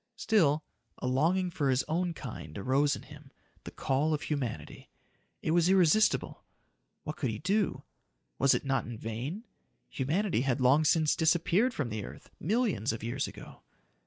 Still, a longing for his own kind arose in him the call of humanity. It was irresistible. What could he do? Was it not in vain? Humanity had long since disappeared from the earth millions of years ago.